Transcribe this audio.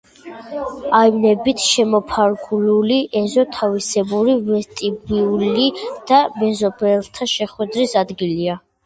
აივნებით შემოფარგლული ეზო თავისებური ვესტიბიული და მეზობელთა შეხვედრის ადგილია.